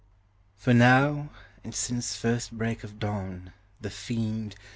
For now, and since first break of dawn, the fiend.